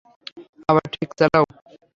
আবার ঠিক চালাও!